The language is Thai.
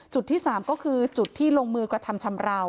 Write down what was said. จุดที่๓ก็คือจุดที่ลงมือกระทำชำราว